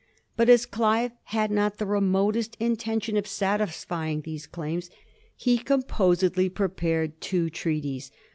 But as Clive had not the remotest intention of satisfying those claims, he composedly prepared two treaties.